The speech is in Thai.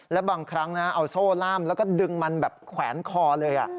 แล้วบางครั้งนะเอาโซ่ล่ามแล้วก็ดึงมันแบบแขวนคอเลย